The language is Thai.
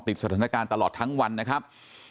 ติดสถานการณ์ตลอดทั้งวันนะครับ